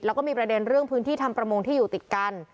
แล้วก็มีประเด็นเรื่องพื้นที่ทำประมงที่อยู่ติดกัน